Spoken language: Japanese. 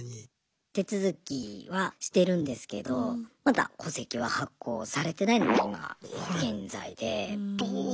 手続きはしてるんですけどまだ戸籍は発行されていないのが今現在で。